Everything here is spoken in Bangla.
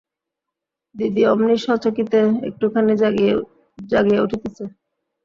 দিদি অমনি সচকিতে একটুখানি জাগিয়া উঠিতেছে।